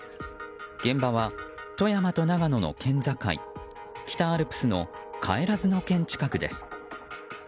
現場は富山と長野の県境北アルプスの不帰嶮近くです。